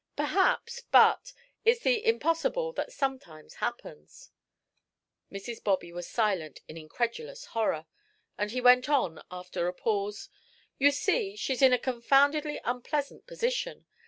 "Perhaps; but it's the impossible that some times happens." Mrs. Bobby was silent in incredulous horror; and he went on, after a pause: "You see, she's in a confoundedly unpleasant position.